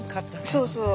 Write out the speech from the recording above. そうそう。